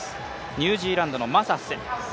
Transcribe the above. ニュージーランドのマサス。